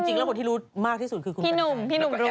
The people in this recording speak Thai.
จริงแล้วคนที่รู้มากที่สุดคือคุณพี่หนุ่มพี่หนุ่มรู้